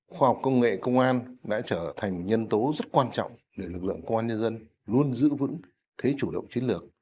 khoa học công nghệ công an đã trở thành nhân tố rất quan trọng để lực lượng công an nhân dân luôn giữ vững thế chủ động chiến lược